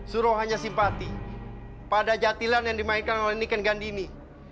suruh hanya simpati pada jatilan yang dimainkan oleh niken gandhini